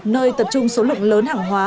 nơi tập trung số lượng lớn hàng hóa